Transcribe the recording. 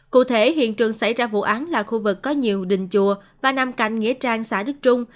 cụ thể hiện trường xảy ra vụ án là khu vực có nhiều đình chùa và nằm cạnh nghĩa trang xã đức trung